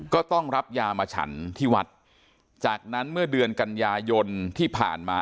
ก็ต้องรับยามาฉันที่วัดจากนั้นเมื่อเดือนกันยายนที่ผ่านมา